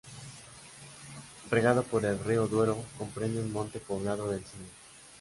Regado por el río Duero comprende un monte poblado de encina.